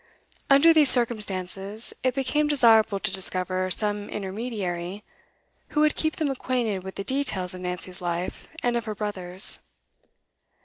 Under these circumstances, it became desirable to discover some intermediary who would keep them acquainted with the details of Nancy's life and of her brother's.